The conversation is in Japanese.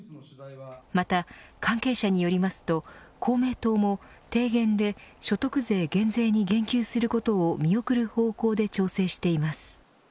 また関係者によりますと公明党も、提言で所得税減税に言及することを見送る方向で調整しています。